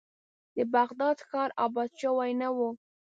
د بغداد ښار آباد شوی نه و.